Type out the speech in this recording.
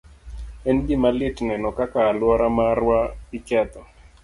En gima lit neno kaka alwora marwa iketho.